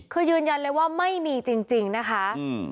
เขายืนยันเลยว่าไม่มีจริงจริงนะคะอืม